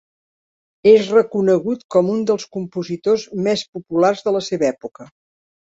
És reconegut com un dels compositors més populars de la seva època.